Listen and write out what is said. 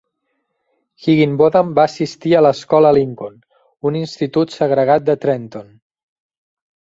Higginbotham va assistir a l'Escola Lincoln, un institut segregat de Trenton.